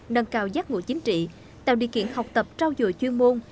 nâng cao giác ngộ chính trị tạo địa kiện học tập trao dùa chuyên môn